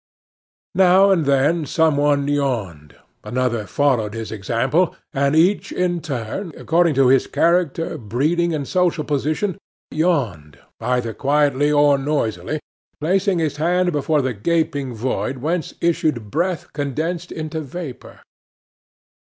Now and then some one yawned, another followed his example, and each in turn, according to his character, breeding and social position, yawned either quietly or noisily, placing his hand before the gaping void whence issued breath condensed into vapor.